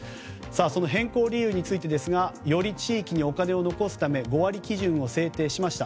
その変更理由についてですがより地域にお金を残すため５割基準を制定しました。